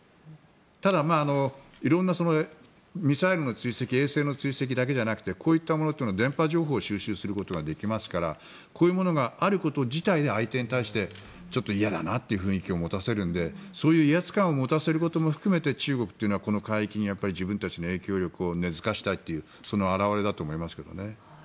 ただ、色んなミサイルの追跡衛星の追跡だけじゃなくてこういったものは電波情報を収集することができますからこういうことがあること自体で相手に対してちょっと嫌だなという雰囲気を持たせるのでそういう威圧感を持たせることも含めて中国というのは、この海域に自分たちの影響力を根付かせたいというその表れだと思いますけどね。